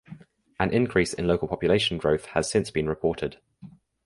An increase in local population growth has since been reported.